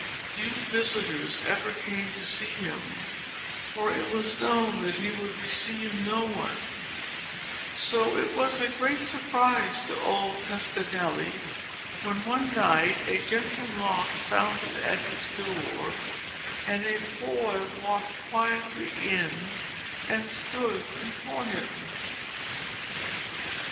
Few visitors ever came to see him, for it was known that he would receive no one, and so it was a great surprise to old Toscanelli when one night a gentle knock sounded at his door, and a boy walked quietly in and stood before him.